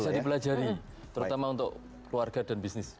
bisa dipelajari terutama untuk keluarga dan bisnis